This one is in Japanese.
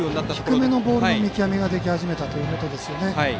低めのボールの見極めができ始めたということですね。